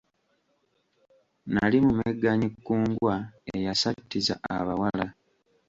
Nali mumegganyi kkungwa eyasattiza abawala.